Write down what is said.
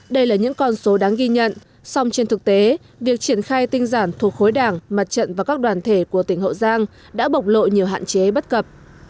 đây là những con số đáng ghi nhận xong trên thực tế việc triển khai tinh giản thuộc khối đảng mặt trận và các đoàn thể của tỉnh hậu giang đã bộc lộ nhiều hạn chế bất cập